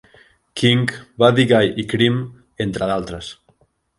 King, Buddy Guy i Cream entre d'altres.